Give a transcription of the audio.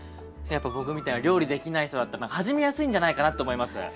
やっぱ僕みたいな料理できない人だったら始めやすいんじゃないかなと思います。